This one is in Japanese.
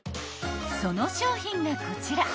［その商品がこちら］